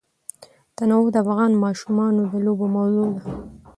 تنوع د افغان ماشومانو د لوبو موضوع ده.